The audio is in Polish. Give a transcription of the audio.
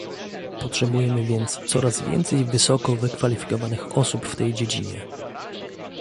Potrzebujemy więc coraz więcej wysoko wykwalifikowanych osób w tej dziedzinie